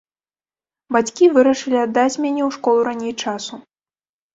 Бацькі вырашылі аддаць мяне ў школу раней часу.